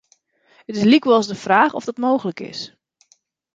It is lykwols de fraach oft dat mooglik is.